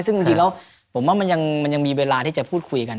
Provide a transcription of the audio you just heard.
ซึ่งจริงแล้วผมว่ามันยังมีเวลาที่จะพูดคุยกัน